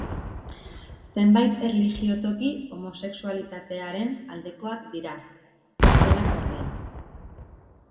Zenbait erlijio-toki homosexualitatearen aldekoak dira, ez denak ordea.